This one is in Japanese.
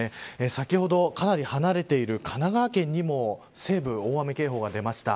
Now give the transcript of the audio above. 先ほどかなり離れている神奈川県にも大雨警報が出ました。